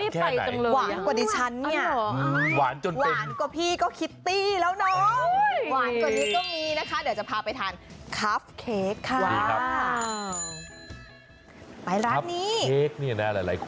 กันต่อเลย